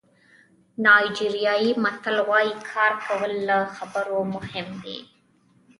نایجیریايي متل وایي کار کول له خبرو مهم دي.